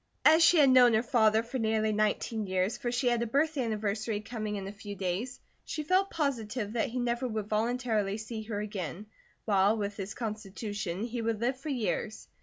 As she had known her father for nearly nineteen years, for she had a birth anniversary coming in a few days, she felt positive that he never would voluntarily see her again, while with his constitution, he would live for years.